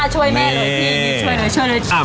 ช่วยแม่หน่อยพี่ช่วยหน่อยช่วยหน่อย